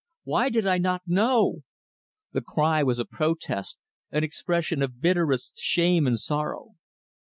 Why did I not know!" The cry was a protest an expression of bitterest shame and sorrow.